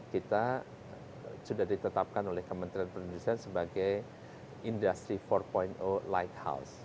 kita sudah ditetapkan oleh kementerian pendidikan sebagai industri empat light house